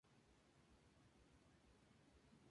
Tiene un hermano mayor y una hermana.